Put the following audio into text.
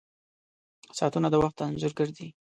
• ساعتونه د وخت انځور ګر دي.